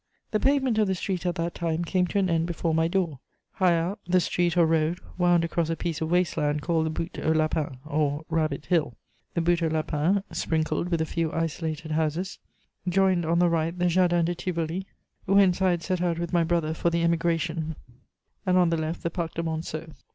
The pavement of the street at that time came to an end before my door; higher up, the street or road wound across a piece of waste land called the Butte aux Lapins, or Rabbit Hill. The Butte aux Lapins, sprinkled with a few isolated houses, joined on the right the Jardin de Tivoli, whence I had set out with my brother for the emigration, and on the left the Parc de Monceaux.